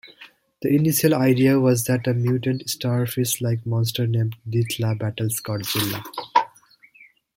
The initial idea was that a mutant starfish-like monster named Deathla battles Godzilla.